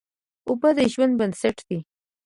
اوبه د ژوند بنسټ دي.